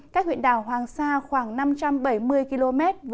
các huyện đảo hoàng sa khoảng năm trăm linh km